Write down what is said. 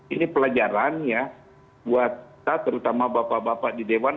ini pelajarannya buat kita terutama bapak bapak di dewan